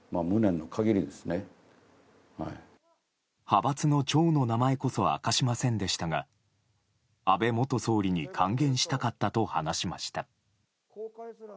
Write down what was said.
派閥の長の名前こそ明かしませんでしたが安倍元総理に諫言したかったと話しました。